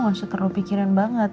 aku gak usah terlalu pikirin banget